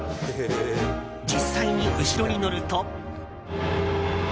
実際に後ろに乗ると。